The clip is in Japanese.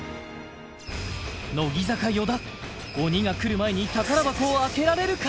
乃木坂・与田鬼が来る前に宝箱を開けられるか？